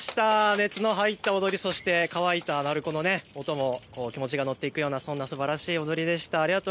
熱の入った踊り、そして乾いた鳴子の音も気持ちが乗っていくようなすばらしい踊りでした。